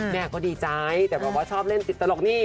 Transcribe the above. แม่ก็ดีใจแต่แบบว่าชอบเล่นติดตลกนี่